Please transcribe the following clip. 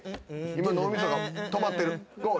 今脳みそが止まってる。